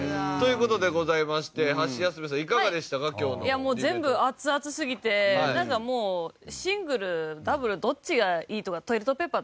いやもう全部熱々すぎてなんかもうシングルダブルどっちがいいとかトイレットペーパーとか。